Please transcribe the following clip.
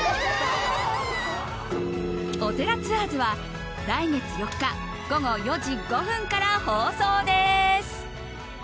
「おてらツアーズ」は来月４日、午後４時５分から放送です。